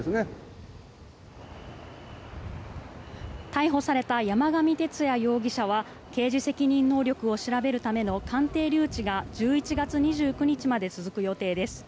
逮捕された山上徹也容疑者は刑事責任能力を調べるための鑑定留置が１１月２９日まで続く予定です。